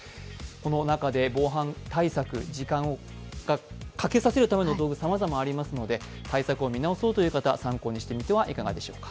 この中で防犯対策、時間をかけさせるためのものがさまざまありますので対策を見直そうという方参考にしてみてはいかがでしょうか。